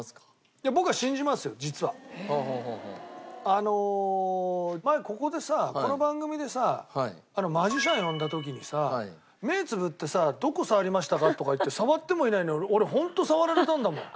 あの前ここでさこの番組でさマジシャン呼んだ時にさ目つぶってさどこ触りましたか？とかいって触ってもいないのに俺ホント触られたんだもん。